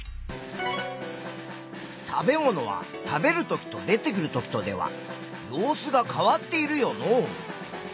食べ物は食べるときと出てくるときとでは様子が変わっているよのう。